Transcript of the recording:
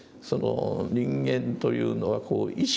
人間というのはこう意識がある。